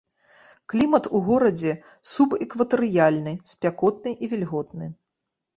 Клімат у горадзе субэкватарыяльны, спякотны і вільготны.